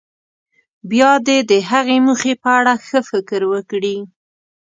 بیا دې د هغې موخې په اړه ښه فکر وکړي.